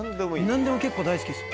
何でも結構大好きです。